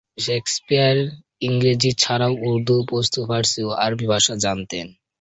Shakespeare ইংরেজি ছাড়াও উর্দু, পশতু, ফারসি ও আরবি ভাষা জানতেন।